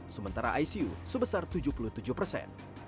sementara icu sebesar tujuh puluh tujuh persen